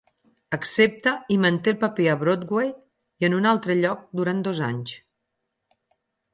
Accepta, i manté el paper a Broadway i en un altre lloc durant dos anys.